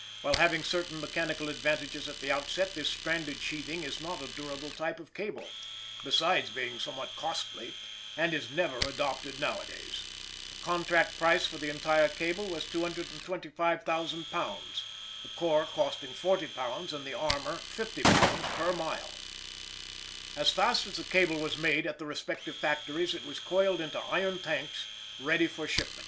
While having certain mechanical advantages at the outset, this stranded sheathing is not a durable type of cable besides being somewhat costly and is never adopted nowadays. The contract price for the entire cable was £225,000, the core costing £40 and the armor £50 per mile. As fast as the cable was made at the respective factories, it was coiled into iron tanks ready for shipment.